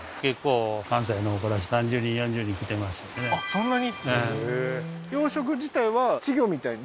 そんなに？